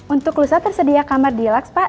untuk lusa tersedia kamar deluxe pak